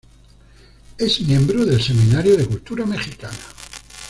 Es miembro del Seminario de Cultura Mexicana.